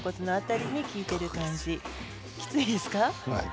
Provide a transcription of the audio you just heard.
きついですか？